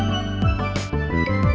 sini sini duduk dulu sini